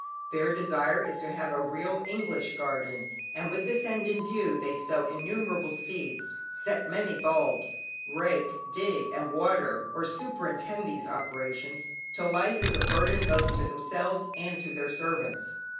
Their desire is to have a real English garden, and with this end in view, they sow innumerable seeds, set many bulbs, rake, dig and water (or superintend these operations) till life is a burden both to themselves and to their servants.